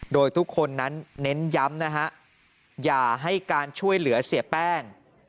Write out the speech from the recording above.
โดยทุกคนนั้นเน้นย้ำนะฮะอย่าให้การช่วยเหลือเสียแป้ง